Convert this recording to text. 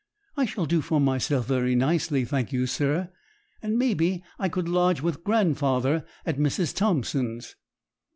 I shall do for myself very nicely, thank you, sir; and maybe I could lodge with grandfather at Mrs. Thompson's.'